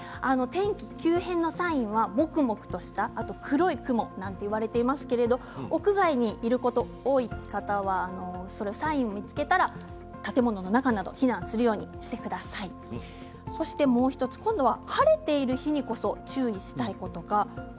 天気急変のサインはもくもくとした黒い雲といわれていますが屋内にいることが多い方はサインを見つけたら建物の中などに避難するようにしてください。今度は晴れている日にこそ注意したいことがあります。